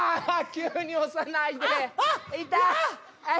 急に押さないで痛い。